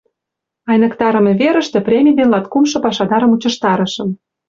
— Айныктарыме верыште премий ден латкумшо пашадарым мучыштарышым.